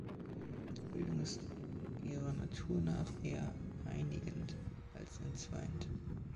Bildung ist ihrer Natur nach eher einigend, als entzweiend.